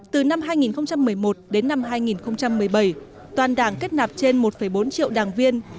từ năm hai nghìn một mươi một đến năm hai nghìn một mươi bảy toàn đảng kết nạp trên một bốn triệu đảng viên